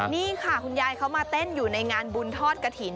นี่ค่ะคุณยายเขามาเต้นอยู่ในงานบุญทอดกระถิ่น